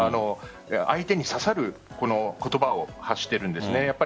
相手に刺さる言葉を発しているんです。